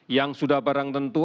yang sudah barang tentu